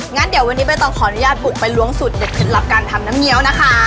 งั้นเดี๋ยววันนี้ใบตองขออนุญาตบุกไปล้วงสูตรเด็ดเคล็ดลับการทำน้ำเงี้ยวนะคะ